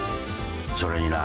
それにな。